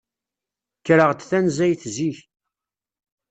Kkreɣ-d tanzayt zik.